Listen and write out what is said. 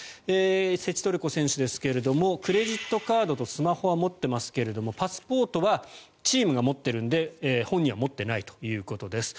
セチトレコ選手ですがクレジットカードとスマホは持っていますがパスポートはチームが持っているので本人は持っていないということです。